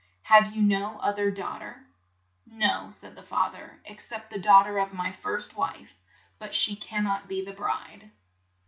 "Have you no oth er daugh ter?" "No," said the fa ther, "ex cept the daugh ter of my first wife; but she can not be the bride."